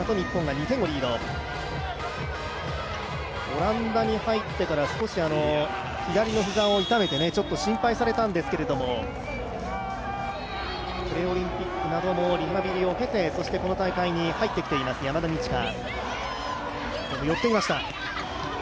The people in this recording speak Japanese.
オランダに入ってから少し左の膝を痛めて、心配されたんですけどもプレオリンピックなどリハビリを経てそしてこの大会に入ってきています、山田二千華。